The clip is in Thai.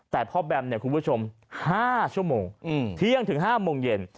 แต่พ่อแบมเนี่ยคุณผู้ชม๕ชั่วโมงเที่ยงถึง๕โมงเย็น